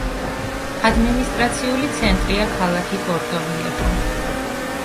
ადმინისტრაციული ცენტრია ქალაქი პორტოვიეხო.